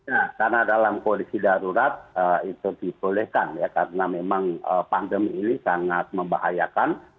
ya karena dalam kondisi darurat itu dibolehkan ya karena memang pandemi ini sangat membahayakan